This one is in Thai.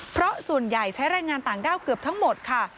เพราะส่วนใหญ่ใช้แรงงานต่างด้าวเกือบทั้งหมดค่ะ